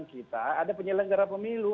kita ada penyelenggara pemilu